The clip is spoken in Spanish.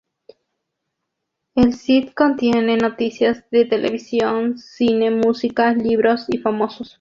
El site contiene noticias de televisión, cine, música, libros y famosos.